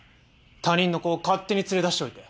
他人の子を勝手に連れ出しておいて。